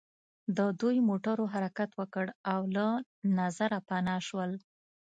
د دوی موټرو حرکت وکړ او له نظره پناه شول